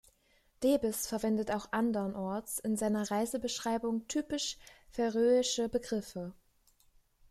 Debes verwendet auch andernorts in seiner Reisebeschreibung typisch färöische Begriffe.